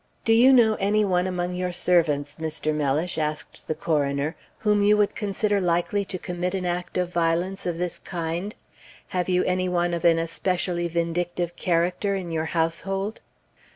"Do you know any one among your servants, Mr. Mellish," asked the coroner, "whom you would consider likely to commit an act of violence of this kind? Have you any one of an especially vindictive character in your household?"